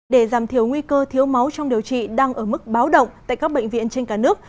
để giảm thiểu nguy cơ thiếu máu trong điều trị đang ở mức báo động tại các bệnh viện trên cả nước